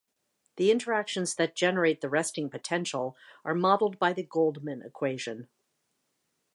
The interactions that generate the resting potential are modeled by the Goldman equation.